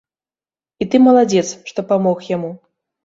І ты маладзец, што памог яму.